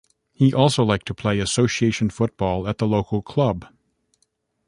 He also liked to play association football at the local club.